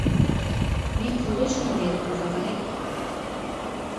— Ме кӱлешлан вет, кувавай!